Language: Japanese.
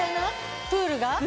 プールが。